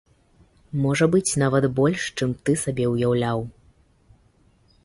Можа быць, нават больш, чым ты сабе ўяўляў.